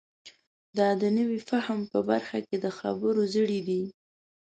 دا د نوي فهم په برخه کې د خبرو زړی دی.